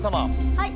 はい。